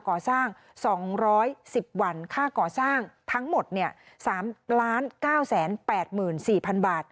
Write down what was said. ก่อสร้าง๒๑๐วันค่าก่อสร้างทั้งหมด๓๙๘๔๐๐๐บาท